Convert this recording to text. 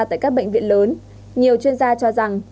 tại các bệnh viện lớn nhiều chuyên gia cho rằng